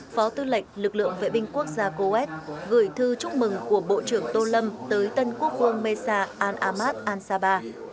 phó tư lệnh lực lượng vệ binh quốc gia coes gửi thư chúc mừng của bộ trưởng tô lâm tới tân quốc vương messa an amas an saba